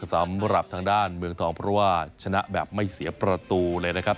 สำหรับทางด้านเมืองทองเพราะว่าชนะแบบไม่เสียประตูเลยนะครับ